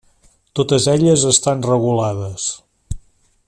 Totes elles estan regulades.